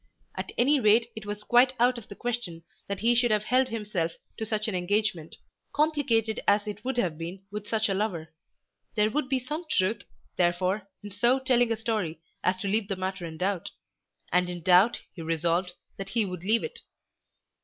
At any rate it was quite out of the question that he should have held himself to such an engagement, complicated as it would have been with such a lover. There would be some truth, therefore, in so telling the story as to leave the matter in doubt, and in doubt he resolved that he would leave it.